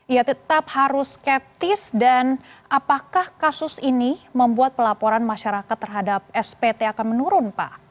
ya tetap harus skeptis dan apakah kasus ini membuat pelaporan masyarakat terhadap spt akan menurun pak